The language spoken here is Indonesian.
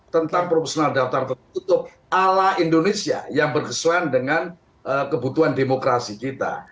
tentang profesional daftar tertutup ala indonesia yang berkesuaian dengan kebutuhan demokrasi kita